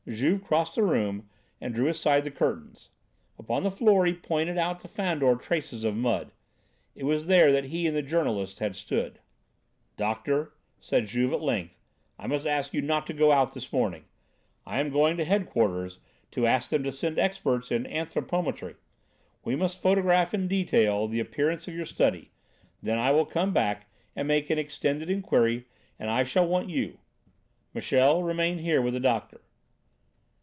Juve crossed the room and drew aside the curtains; upon the floor he pointed out to Fandor traces of mud. It was there that he and the journalist had stood. "Doctor," said Juve at length, "I must ask you not to go out this morning. I am going to headquarters to ask them to send experts in anthropometry. We must photograph in detail the appearance of your study; then I will come back and make an extended inquiry and I shall want you. Michel, remain here with the doctor."